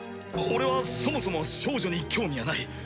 俺はそもそも少女に興味はない。